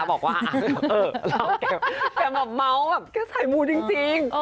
นะคะบอกว่าอะอะเราแกแกมับเมาท์แนวแฝมูทรังจริง